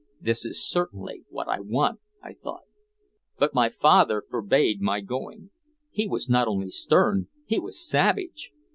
"This is certainly what I want!" I thought. But my father forbade my going. He was not only stern, he was savage.